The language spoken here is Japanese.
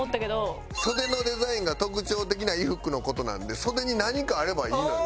袖のデザインが特徴的な衣服の事なので袖に何かあればいいのよ。